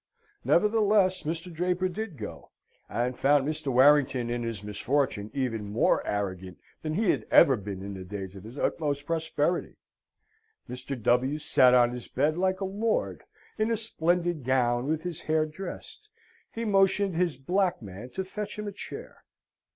Nevertheless, Mr. Draper did go, and found Mr. Warrington in his misfortune even more arrogant than he had ever been in the days of his utmost prosperity. Mr. W. sat on his bed, like a lord, in a splendid gown with his hair dressed. He motioned his black man to fetch him a chair.